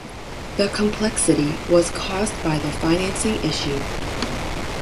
The complexity was caused by the financing issue.